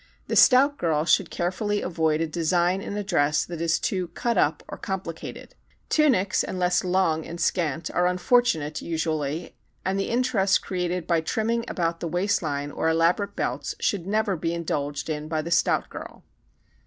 The stout girl should carefully avoid a design in a dress that is too cut up or complicated. Tunics, unless long and scant, are unfortunate usually and the interest created by trimming about the waist line or elaborate belts should never be indulged in by the stout girl.